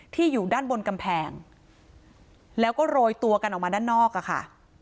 อยู่ด้านบนกำแพงแล้วก็โรยตัวกันออกมาด้านนอกอะค่ะ